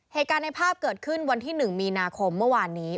เหตุการณ์ในภาพเกิดขึ้นวันที่๑มีนาคมเมื่อวานนี้